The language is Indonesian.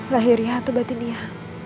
lahirnya atau batinnya